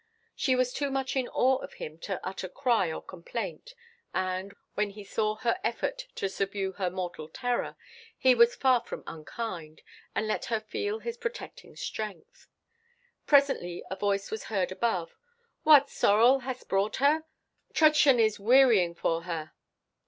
She was too much in awe of him to utter cry or complaint, and, when he saw her effort to subdue her mortal terror, he was far from unkind, and let her feel his protecting strength. Presently a voice was heard above—"What, Sorel, hast brought her! Trudchen is wearying for her."